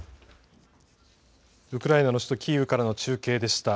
ウクライナの首都キーウからの中継でした。